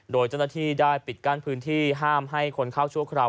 โดยเจ้าหน้าที่ได้ปิดกั้นพื้นที่ห้ามให้คนเข้าชั่วคราว